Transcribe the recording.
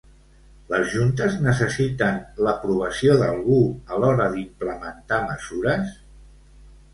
Les juntes necessiten l'aprovació d'algú a l'hora d'implementar mesures?